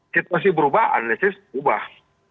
situasi berubah analisis berubah